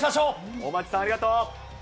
大町さんありがとう。